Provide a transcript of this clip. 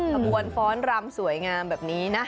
ขบวนฟ้อนรำสวยงามแบบนี้นะ